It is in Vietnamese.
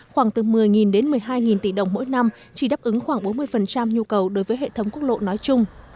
khoảng từ một mươi đến một mươi hai tỷ đồng mỗi năm chỉ đáp ứng khoảng bốn mươi nhu cầu đối với hệ thống quốc lộ nói chung